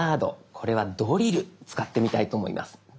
これは「ドリル」使ってみたいと思います。